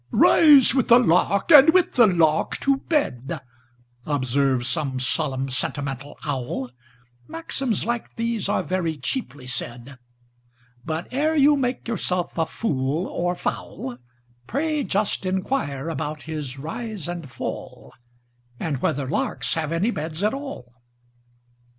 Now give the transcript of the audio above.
"Rise with the lark, and with the lark to bed,"Observes some solemn, sentimental owl; Maxims like these are very cheaply said; But, ere you make yourself a fool or fowl, Pray just inquire about his rise and fall, And whether larks have any beds at all!